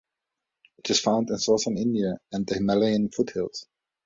It is found in southern India and the Himalayan foothills.